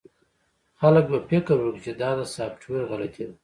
خلک به فکر وکړي چې دا د سافټویر غلطي ده